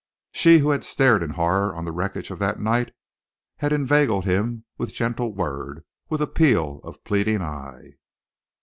She who had stared in horror on the wreckage of that night had inveigled him with gentle word, with appeal of pleading eye.